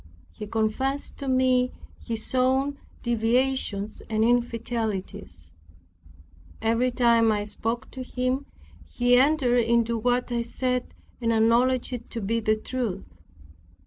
He confessed to me his own deviations and infidelities. Every time when I spoke to him he entered into what I said, and acknowledged it to be the truth.